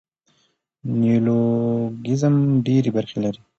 نیولوګیزم ډېري برخي لري.